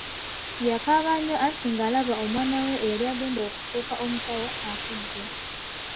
Yakaaba nnyo anti nga alaba omwana we eyali agenda okufuuka omusawo afudde.